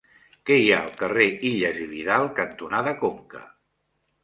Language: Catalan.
Què hi ha al carrer Illas i Vidal cantonada Conca?